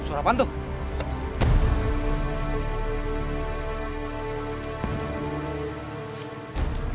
suara apaan tuh